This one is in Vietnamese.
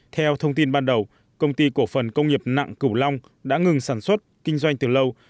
theo thông tin ban đầu công ty cổ phần công nghiệp nặng cửu long đã ngừng sản xuất kinh doanh từ lâu